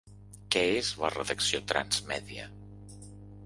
Què és la redacció transmèdia?